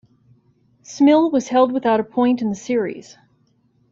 Smyl was held without a point in the series.